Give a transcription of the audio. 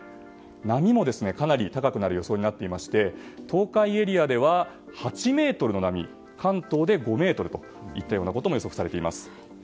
波もかなり高くなる予想になっていまして東海エリアでは８ｍの波関東で５ｍといったことも予測されています。